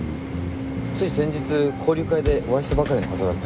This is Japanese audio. つい先日交流会でお会いしたばかりの方だったので。